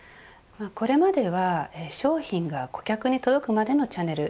これまでは商品が顧客に届くまでのチャネル。